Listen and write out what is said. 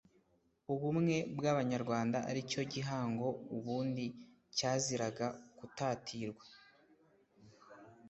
ubumwe bw abanyarwanda ari cyo gihango ubundi cyaziraga gutatirwa